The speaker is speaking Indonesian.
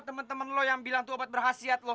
temen temen lo yang bilang itu obat berkhasiat lo